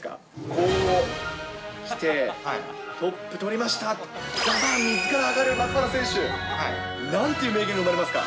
こう来て、トップ取りました、ジャパン、みずから上がる松原選手。なんて名言生まれますか。